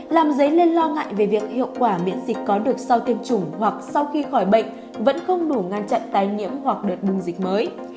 làm dấy lên lo ngại về việc hiệu quả miễn dịch có được sau tiêm chủng hoặc sau khi khỏi bệnh vẫn không đủ ngăn chặn tái nhiễm hoặc đợt bùng dịch mới